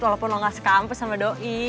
walaupun lo gak sekampus sama doi